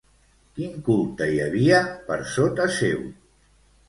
Quin culte hi havia, per sota seu?